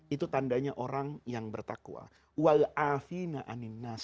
itu tandanya orang yang bertakwa